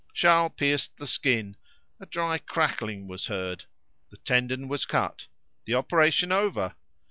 Charles pierced the skin; a dry crackling was heard. The tendon was cut, the operation over.